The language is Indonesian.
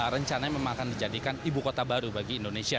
rencananya memang akan dijadikan ibu kota baru bagi indonesia